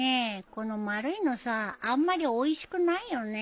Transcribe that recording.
この丸いのさああんまりおいしくないよね。